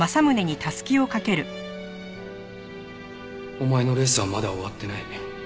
お前のレースはまだ終わってない。